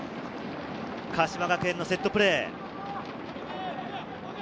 鹿島学園のセットプレー。